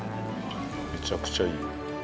めちゃくちゃいい色。